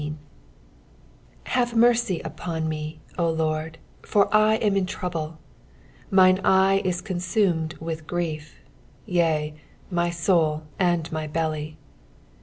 9 Have mercy upon me, O LORD, for I am in trouble : mine eye is consumed with grief, yea, my soul and my belly.